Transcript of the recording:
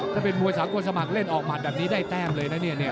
ถ้าเป็นมวยสากลสมัครเล่นออกหมัดแบบนี้ได้แต้มเลยนะเนี่ย